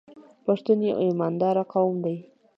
پښتون یو ایماندار قوم دی.